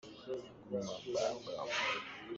Tukum cu ruah a ṭhat lo caah kan pam ko lai.